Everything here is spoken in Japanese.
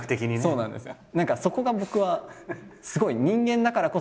そうなんですよ。